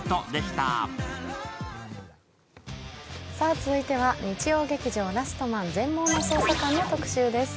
続いては日曜劇場「ラストマン―全盲の捜査官―」の特集です。